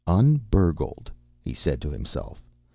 "Un burgled!" he said to himself.